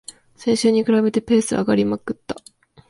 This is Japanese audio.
先週に比べてペース上がりまくった